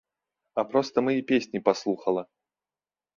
А проста мае песні паслухала!